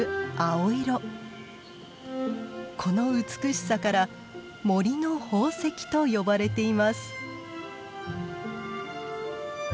この美しさから「森の宝石」と呼ばれています。